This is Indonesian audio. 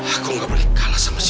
aku nggak boleh kalah sama si prabu